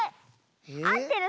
あってる。